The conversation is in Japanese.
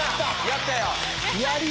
やったよ。